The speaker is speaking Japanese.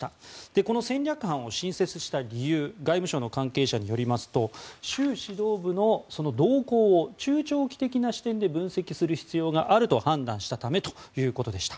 この戦略班を新設した理由外務省の関係者によりますと習指導部の動向を中長期的な視点で分析する必要があると判断したためということでした。